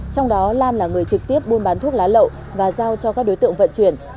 trong đó lan là người trực tiếp buôn bán thuốc lá lậu và giao cho các đối tượng vận chuyển